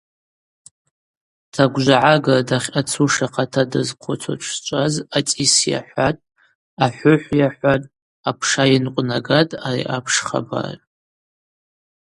Тагвжвагӏагра дахьъацуш ахъата дазхъвыцуа дшчӏваз ацӏис йахӏватӏ, ахӏвыхӏв йахӏватӏ, апша йынкъвнагатӏ ари апш хабар.